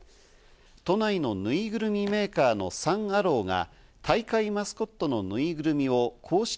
都内のぬいぐるみメーカーのサン・アローが大会マスコットのぬいぐるみを公式